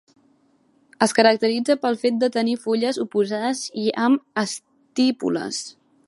Es caracteritzen pel fet de tenir fulles oposades i amb estípules.